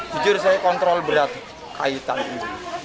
sejurusnya kontrol berat kaitan ini